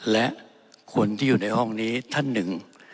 และคนที่อยู่ในห้องนี้ท่านหนึ่ง